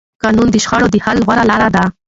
قانون د شخړو د حل غوره لاره ده